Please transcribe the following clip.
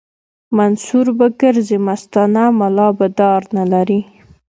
منصور به ګرځي مستانه ملا به دار نه لري